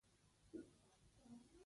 پر شهید مړي یې په سره دښت کي مچان بوڼیږي